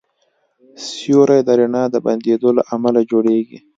سیوری د رڼا د بندېدو له امله جوړېږي.